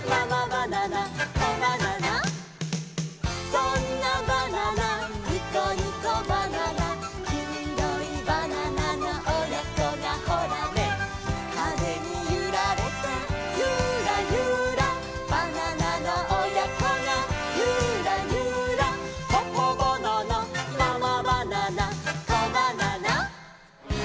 「そんなバナナニコニコバナナ」「きいろいバナナのおやこがホラネ」「かぜにゆられてユーラユラ」「バナナのおやこがユーラユラ」「パパバナナママバナナコバナナ」